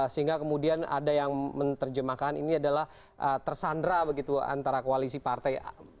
sehingga kemudian ada yang menerjemahkan ini adalah tersandra begitu antara koalisi partai